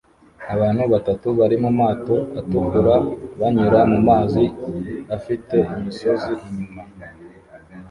Abantu batatu bari mumato atukura banyura mumazi afite imisozi inyuma